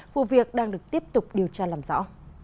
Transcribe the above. vụ việc đang được tiếp tục điều tra làm rõ